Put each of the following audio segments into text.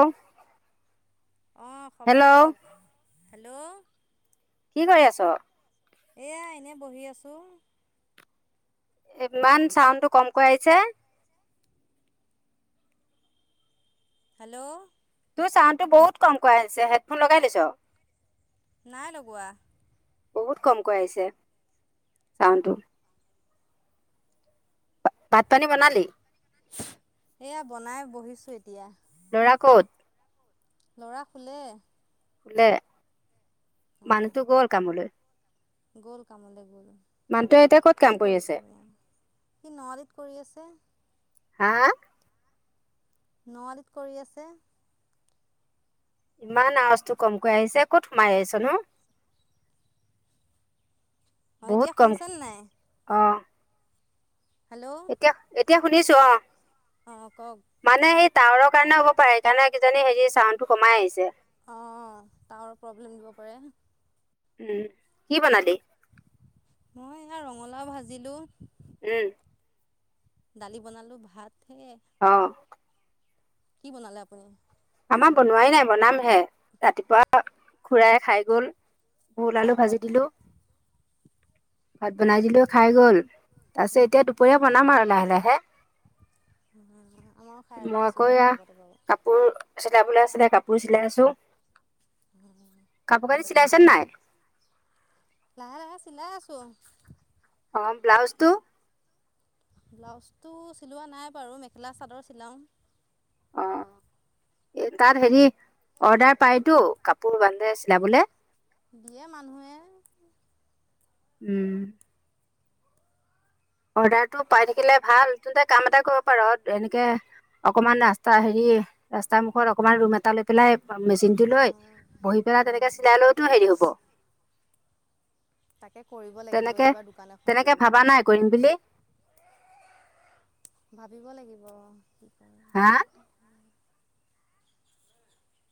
অ। অ খবৰ কৱক হেল্ল' কি কৰি আছ? এয়া এনেই বহি আছোঁ। ইমান ছাউণ্ডটো কমকৈ আহিছে। হেল্ল' তোৰ ছাউণ্ডটো বহুত কমকৈ আহিছে। হেডফোন লগাই লৈছ নাই লগোৱা। বহুত কমকৈ আহিছে। ছাউণ্ড টো ভাত পানী বনালি এয়া বনাই বহিছো এতিয়া লৰা ক'ত? ল'ৰা শুলে। শুলে, অঁ মানুহটো গল কামলৈ। গল কামলে গ'ল। মানুহটোৱে এতিয়া ক'ত কাম কি কৰি আছে? কৰিছে [unintelligible] সি নোৱালীত কৰি আছে। হা। ন আলিত কৰি আছে। ইমান আৱাজটো কমকৈ আহিছে ক'ত সোমাই আছ নো। অঁ বহুত এতিয়া কম শুনিছেনে নাই অহ। এতিয়া এতিয়া শুনিছো অহ। অহ কওক। টাৱৰ কাৰণে হ'ব পাৰে সেইকাৰণ কি জানি হ চাউণ্ডটোমাই কমাই আহিছে। অহ তাৰ প্ৰব্লেম দিব পাৰে। উম, কি বনালি? মই এয়া ৰঙালাও ভাজিলো। উম। দালি বনালো ভাত হে। অ'। কি বনালে আপুনি? আমাৰ বনোৱাই নাই বনামহে ৰাতিপুৱা খুড়াই খাই গ'ল। ভুল, আলু ভাজি দিলোঁ। ভাত বনাই দিলেও খাই গ'ল তাৰপিছত এতিয়া দুপৰীয়া বনাম আৰু লাহে লাহে। [inaudible] মই আকৌ উঠিছোঁহে এয়া অলপ আগতে বাৰু কাপোৰ চিলাবলৈ আছিলে কাপোৰ চিলাই আছোঁ। কাপোৰ কানি চিলাইছানে নাই? লাহে -লাহে চিলাই আছো অহ, ব্লাউজ তো? ব্লাউজটো চিলোৱা নাই বাৰু মেখেলা চাদৰ চিলাওঁ। অহ। এ তাত হেৰি অৰ্ডাৰ পাইতো কাপোৰ বানধে চিলাবলে দিয়ে মানুহে। উম। অৰ্ডাৰটো পাই থাকিলে ভাল তেন্তে কাম এটা কৰিব পাৰ এনেকে অকমান ৰাস্তা হেৰি ৰাস্তাৰ মুখত অকমান ৰুম এটা লৈ পেলাই মেচিন টো লৈ অঁ, বহি পেলাই তেনেকে চিলাই লৈতো হেৰি হব। তাকে কৰিব লাগিব এইবাৰ দোকান এখন লম। বিলি ভাবিব লাগিব। কৰে হা।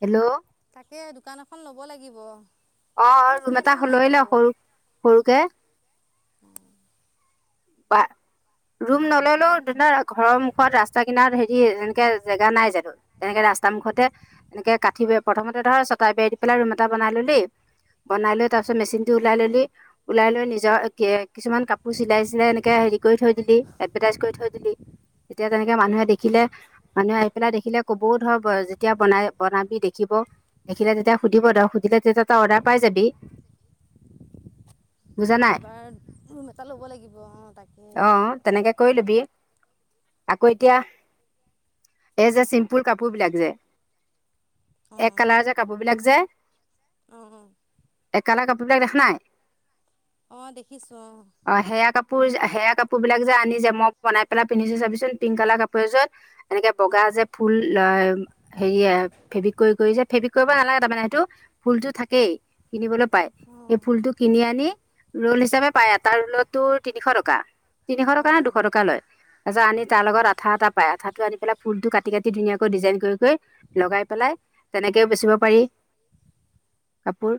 হেল্ল' সেয় দোকান এখন ল'ব লাগিব। অহ আপুনি ৰুম এটা চিলাইছেনে নাই লৈ ল কাপোৰ সৰু সৰুকে। পা ৰুম নললেও ধৰা ঘৰৰ মুখত ৰাস্তা কিনাৰ হেৰি এনেকে জেগা নাই জানো তেনেকে ৰা- ৰাস্তা মুখতে এনেকে কাঠি প্ৰথমতে ধৰ ছটাই বে দি পেলাই ৰুম এটা বনাই ললি। বনাই লৈ তাৰ পিছত মেচিন টো ওলাই ললি ওলাই লৈ নিজৰ কিছুমান কাপোৰ চিলাই এনেকে হেৰি কৰি থৈ দিলি এডভাৰটাইজ কৰি থৈ দিলি। তেতিয়া তেনেকে মানুহে দেখিলে মানুহে আহি পেলাই দেখিলে কবও ধৰ যেতিয়া বনাই বনাবি দেখিব ব দেখিলে তেতিয়া সুধিব ধৰ সুধিলে তেতি তই অৰ্ডাৰ পাই যাবি। এইবাৰ ৰুম এটা ল'ব লাগিব। অঁ তাকে অহ, তেনেকে কৰি লবি আকৌ এতিয়া এই যে চিম্পুল কাপোৰ বিলাক যে, এক অঁ কালাৰৰ যে কাপোৰ বিলাক যে অঁ এক কালাৰৰ কাপোৰবিলাক দেখা নাই? অঁ দেখিছো অঁ। অঁ সেয়া কাপোৰ, সেয়া কাপোৰ বিলাক যে আনি যে মই বনাই পেলাই পিন্ধিছো চাবিচোন পিংক কালাৰ কাপোৰ এযোৰ এনেকে বগা অঁ অঁ যে ফুল হেৰীয়ে ফেব্ৰিক কৰি, কৰি যে ফেব্ৰিক কৰিব নালাগে তাৰমানে সেইটো ফুলতটো থাকেই কিনিবলৈ পাই, সেই অঁ ফুলটো কিনি আনি ৰোল হিচাপে পায় এটা ৰোলত তোৰ তিনিশ টকা। তিনিশ টকা নে অঁ দুশ টকা লয়, তাৰপিছত আনি তাৰ লগত আঠা এটা পায় আঠাটো আনি পেলাই ফুলটো কাটি কাটি ধুনীয়াকৈ ডিজাইন কৰি -কৰি লগাই পেলাই তেনেকেও বেচিব পাৰি কাপোৰ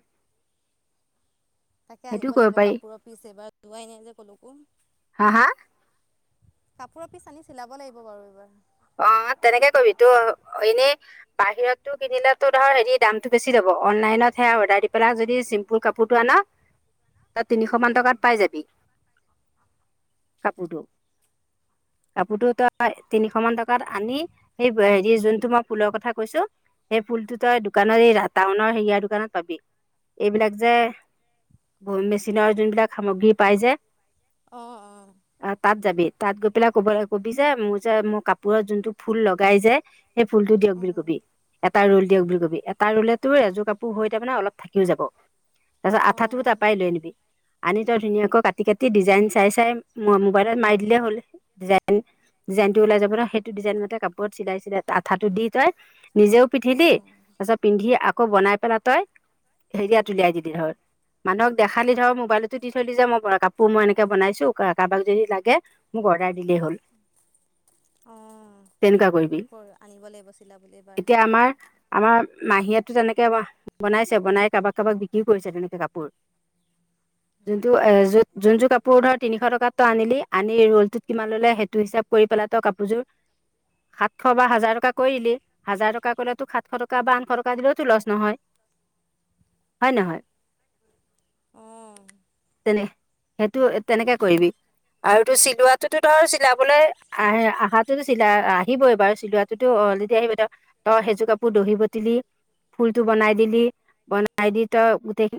তাকে আনিব সেইটোও কৰিব লাগিব পাৰি কাপোৰৰ পিচ এবাৰ ধোৱাই নাই যে ক'লেকো হাঁ হাঁ। কাপোৰৰ পিচ আনি চিলাব লাগিব বাৰু এইবাৰ অঁ তেনেকে কৰিবি, তোৰ এনেই বাহিৰতটো কিনিলো তোৰ ধৰ হেৰি দামতটো বেছি লব অনলাইনত সে অৰ্ডাৰ দি পেলা যদি চিম্পুল কাপোৰটো আন তই তিনিশ মান অঁ টকাত পাই যাবি কাপোৰটো, কাপোৰটো তই তিনিশ মান ত ক আনি, সেই হেৰি যোনটো মই ফুলৰ কথা কৈছো, সেই ফুলটো তই দোকানৰ এই টাউনৰ হেৰিয়াৰ দোকানত পাবি এইবিলাক যে ভৰি মেচিনৰ যোনবিলাক সামগ্ৰী পাই যে অঁ অঁ আ তাত যাবি তাত গৈ পেলাই কব কবি যে মোৰ যে মই কাপ পোৰত যোনটো ফুল লগাই যে সেই ফুলটো দিয়ক বুলি অঁ কবি, এটা ৰ'ল দিয়ক বুলি কবি, এটা ৰুলে তোৰ এযোৰ কাপোৰ হৈ তাৰমানে অলপ থাকিও যাব তাৰপিছত আঠাটোও তাৰ অঁ পৰাই লৈ আনিবি। আনি তই ধুনীয়াকৈ কাটি-কাটি ডিজাইন চাই চাই মো-মোবাইলত মাৰি দিলে হ'ল ডিজাইন। জাইনটো ওলাই যাব [unintelligible] সেইটো ডিজাইন মতে কাপোৰত চিলাই -চিলাই আঠাটো দি তই নিজেও পিন্ধিলি অঁ তাৰ পিছত পিন্ধি আকৌ বনাই পেলাই তই হেৰিয়াত উলিয়াই দিলি হল মানুহক দেখালি ধৰ মোবাইলটো দি থৈ দি যে মই কাপোৰ মই এনেকে বনাইছো কাৰোবাক যদি লাগে ম অৰ্ডাৰ দিলেই হ'ল। অঁ তেনেকুৱা কৰিবি, কৰ আনিব লাগিব চিলাবলৈ এইবাৰ তেতিয়া আমাৰ আমাৰ মাহীয়েটো তেনেকে বনাইছে, বনাই কাৰোবাক কাৰোবাক বিক্ৰীও কৰিছে তেনেকে কাপোৰ [unintelligible] যোনটো এ যোন যোৰ কাপোৰ ধৰ তিনিশ টকাত তই আনিলি আনি ৰ'লটোত কিমান ললে সেইটো হিচাপ কৰি পেলা ত কাপোৰযোৰ সাতশ বা হাজাৰ টকা কৰি দিলি, হাজাৰ টকা কৰিলে তোক সাতশ টকা বা আঠশ টকা দিলেওতো লচ নহয় হয় নহয়, অঁ তেনে সেইটো তেনেকে কৰিবি, আৰু তোৰ চিলোৱাটোতো ধৰ চিলাবলৈ আহে আহাতোতো চিলাই, আহিবই বাৰু চিলোৱাটোতো অলৰেডি আহিবই ত তই সেইজোৰ কাপোৰ দহি বাতি দি ফুলতটো বনাই দিলি বনাই দি তই গোটেইখিনি